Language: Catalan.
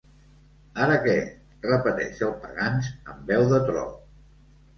Ara, què? —repeteix el Pagans amb veu de tro.